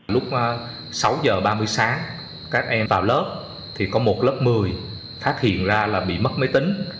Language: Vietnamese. lúc sáu giờ ba mươi sáng các em vào lớp thì có một lớp một mươi phát hiện ra là bị mất máy tính